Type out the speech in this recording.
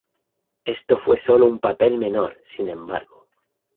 Esto fue sólo un papel menor, sin embargo.